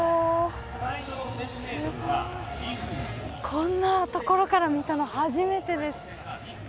こんなところから見たの初めてです。